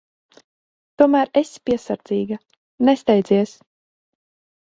Tomēr esi piesardzīga. Nesteidzies.